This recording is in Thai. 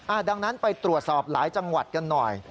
ดังนั้นไปตรวจสอบหลายจังหวัดกันหน่อย